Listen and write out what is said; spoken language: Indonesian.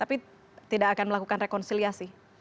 tapi tidak akan melakukan rekonsiliasi